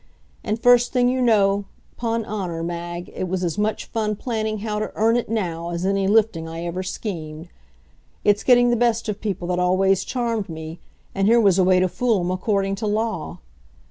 And first thing you know, 'pon honor, Mag, it was as much fun planning how to "earn it now" as any lifting I ever schemed. It's getting the best of people that always charmed me and here was a way to fool 'em according to law.